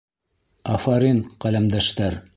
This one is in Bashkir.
Афарин, ҡәләмдәштәр!